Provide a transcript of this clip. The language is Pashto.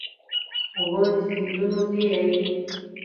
اوبه د سیندونو زېری وي.